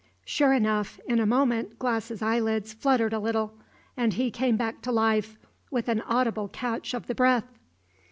Sure enough, in a moment Glass's eyelids fluttered a little, and he came back to life with an audible catch of the breath.